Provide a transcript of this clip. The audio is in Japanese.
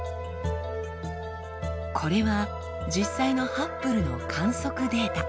これは実際のハッブルの観測データ。